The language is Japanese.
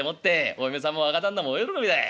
お嫁さんも若旦那も大喜びだい。